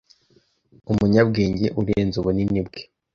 umunyabwenge urenze ubunini bwe